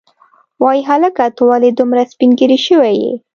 وای هلکه ته ولې دومره سپینږیری شوی یې.